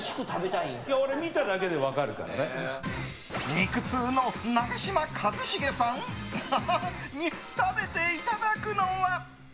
肉通の長嶋一茂さん？に食べていただくのは。